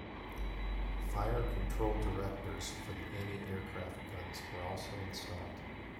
Fire control directors for the anti-aircraft guns were also installed.